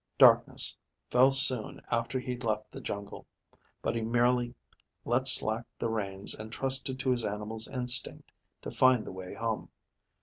Darkness fell soon after he left the jungle, but he merely let slack the reins and trusted to his animal's instinct to find the way home.